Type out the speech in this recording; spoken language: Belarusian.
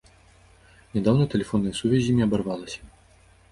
Нядаўна тэлефонная сувязь з імі абарвалася.